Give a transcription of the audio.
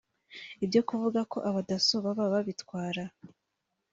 ibyo kuvuga ko Abadasso baba babitwara